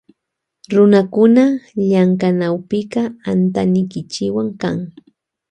Runakuna llamkanawkupika antanikichikwan kan.